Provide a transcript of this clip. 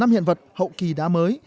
năm hiện vật hậu kỳ đá mới